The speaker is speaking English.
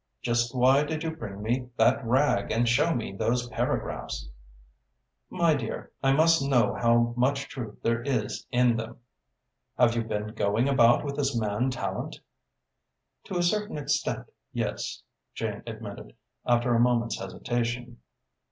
Just why did you bring me that rag and show me those paragraphs?" "My dear, I must know how much truth there is in them. Have you been going about with this man Tallente?" "To a certain extent, yes," Jane admitted, after a moment's hesitation.